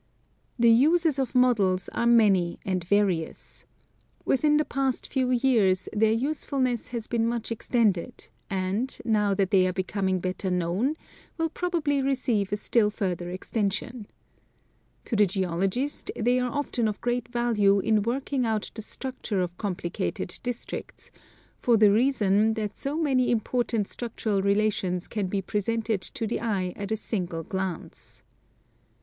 The uses of models are many and various. Within the past few years their usefulness has been much extended, and, now that they are becoming better known, will probably receive a still further extension. To the geologist they are often of great value in working out the structure of complicated districts, for the reason that so many important structural relations can be presented to the eye at a single glance.